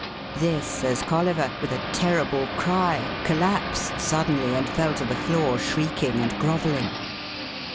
This as Colliver, with a terrible cry, collapsed suddenly and fell to the floor shrieking and grovelling.